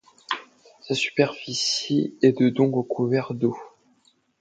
Sa superficie est de dont recouverts d'eau.